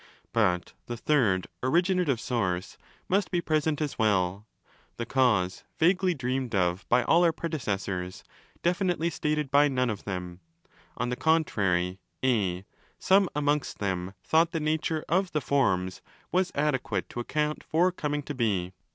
But the third 'originative source' must be present as well—the cause vaguely dreamed of by all our predecessors, 1 Cf. above, 31472 and 318% 25 27. BOOK II. 9 335° definitely stated by none of them. On the contrary (4) some amongst them thought the nature of 'the Forms' was τὸ adequate to account for coming to be.